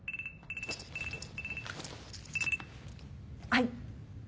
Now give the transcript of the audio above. はい。